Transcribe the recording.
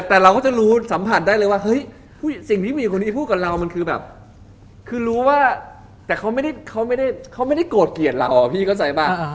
แต่เราก็จะรู้สัมผัสได้เลยว่าเฮ้ยสิ่งที่มีคนที่พูดกันเรามันก็รู้ว่าแต่เค้าไม่ได้โกรธเกลียดเราพี่เข้าใส่ป่ะ